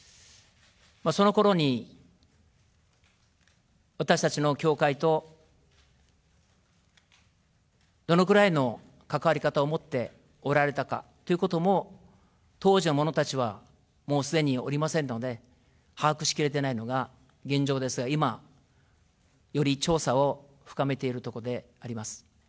そのころに私たちの教会とどのくらいの関わり方を持っておられたかということも、当時の者たちはもうすでにおりませんので把握しきれてないのが現状ですが、今より調査を深めているところであります。